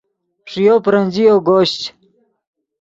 ݰییو برنجییو گوشچ